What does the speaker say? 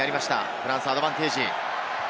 フランスにアドバンテージ。